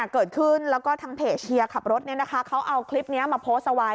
เกิดขึ้นแล้วก็ทางเพจเชียร์ขับรถเนี้ยนะคะเขาเอาคลิปเนี้ยมาโพสต์เอาไว้